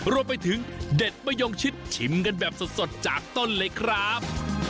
รวมไปถึงเด็ดมะยงชิดชิมกันแบบสดจากต้นเลยครับ